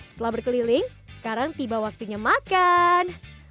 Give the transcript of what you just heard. setelah berkeliling sekarang tiba waktunya makan